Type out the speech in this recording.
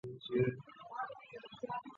女性此行为对应的称呼是上空。